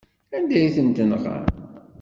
Anda ay ten-tenɣam?